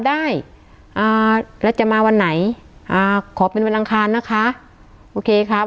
ได้อ่าแล้วจะมาวันไหนอ่าขอเป็นวันอังคารนะคะโอเคครับ